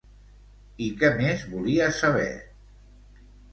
I què més volia saber?